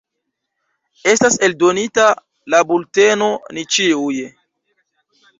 Estas eldonita la bulteno Ni ĉiuj.